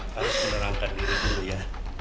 harus menerangkan diri dulu ya